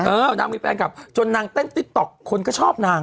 นางมีแฟนคลับจนนางเต้นติ๊กต๊อกคนก็ชอบนาง